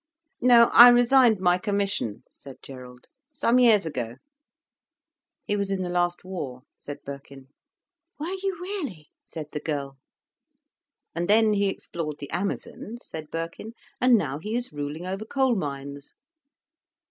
"No, I resigned my commission," said Gerald, "some years ago." "He was in the last war," said Birkin. "Were you really?" said the girl. "And then he explored the Amazon," said Birkin, "and now he is ruling over coal mines."